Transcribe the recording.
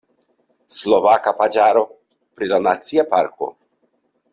Slovaka paĝaro pri la nacia parko.